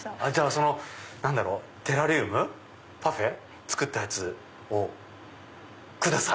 そのテラリウムパフェ作ったやつをください。